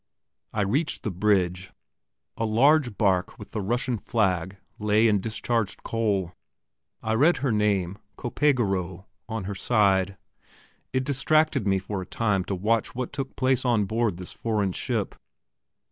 I reached the bridge. A large barque with the Russian flag lay and discharged coal. I read her name, Copégoro, on her side. It distracted me for a time to watch what took place on board this foreign ship.